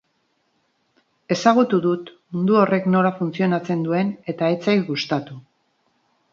Ezagutu dut mundu horrek nola funtzionatzen duen eta ez zait gustatu.